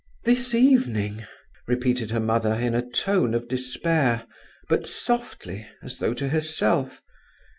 "This evening!" repeated her mother in a tone of despair, but softly, as though to herself.